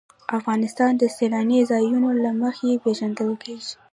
افغانستان د سیلانی ځایونه له مخې پېژندل کېږي.